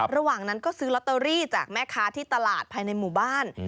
ระหว่างนั้นก็ซื้อลอตเตอรี่จากแม่ค้าที่ตลาดภายในหมู่บ้าน